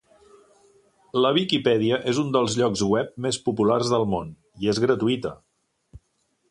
La Viquipèdia és un dels llocs web més populars del món, i és gratuïta!